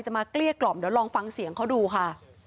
มาเกลี้ยกล่อมเดี๋ยวลองฟังเสียงเขาดูค่ะ